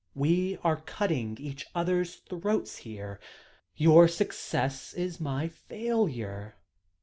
We are cutting each other's throats here. Your success is my failure."